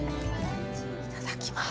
いただきます！